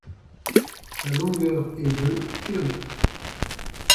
Sa longueur est de km.